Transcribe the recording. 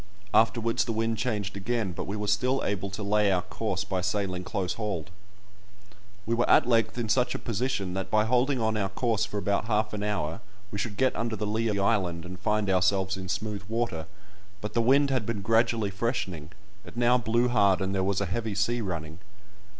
Afterwards the wind changed again, but we were still able to lay our course by sailing close hauled. We were at length in such a position, that by holding on our course for about half an hour we should get under the lee of the island and find ourselves in smooth water, but the wind had been gradually freshening; it now blew hard, and there was a heavy sea running.